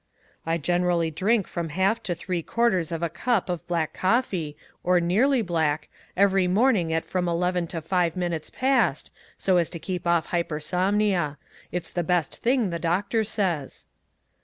"I generally drink from half to three quarters of a cup of black coffee, or nearly black, every morning at from eleven to five minutes past, so as to keep off hypersomnia. It's the best thing, the doctor says."